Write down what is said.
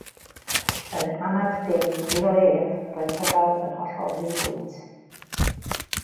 Yn anad dim, iddo ef roedd rhyfel yn hollol ddibwynt.